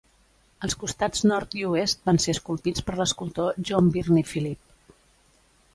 Els costats nord i oest van ser esculpits per l'escultor John Birnie Philip.